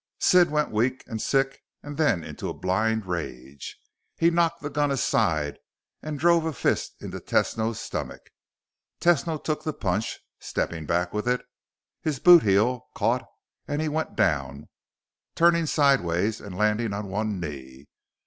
Sid went weak and sick and then into a blind rage. He knocked the gun aside and drove a fist into Tesno's stomach. Tesno took the punch, stepping back with it; his bootheel caught and he went down, turning sideways and landing on one knee.